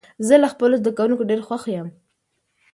زه له خپلو زده کوونکو ډېر خوښ يم.